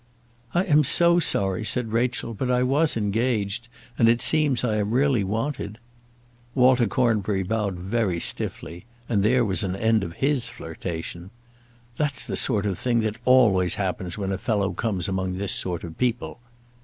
"I am so sorry," said Rachel, "but I was engaged, and it seems I am really wanted." Walter Cornbury bowed very stiffly, and there was an end of his flirtation. "That's the sort of thing that always happens when a fellow comes among this sort of people!"